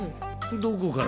どこから？